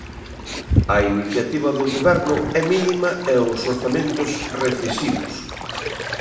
A iniciativa do Goberno é mínima e os orzamentos, recesivos.